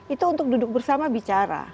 itu untuk duduk bersama bicara